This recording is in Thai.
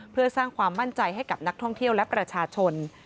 เพื่อสร้างความมั่นใจให้กับนักท่องเที่ยวและประชาชน